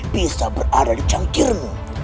bisa berada di cangkirmu